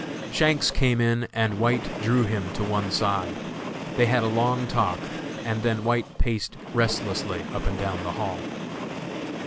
Shanks came in and White drew him to one side. They had a long talk and then White paced restlessly up and down the hall.